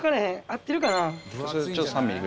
合ってるかな？